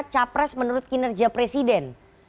capres menurut kinerja presiden